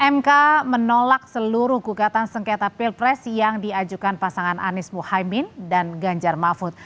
mk menolak seluruh gugatan sengketa pilpres yang diajukan pasangan anies mohaimin dan ganjar mahfud